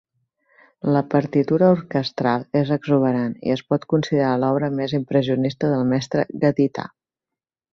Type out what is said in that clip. La partitura orquestral és exuberant i es pot considerar l'obra més impressionista del mestre gadità.